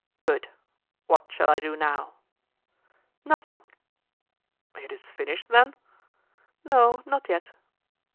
"Good! What shall I do now?" "Nothing." "It is finished, then?" "No, not yet."